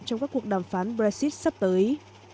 trong các cuộc đàm phán brexit sắp tới